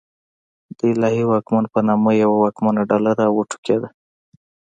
د الهي واکمن په نامه یوه واکمنه ډله راوټوکېده.